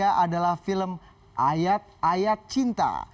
yang ketiga adalah film ayat ayat cinta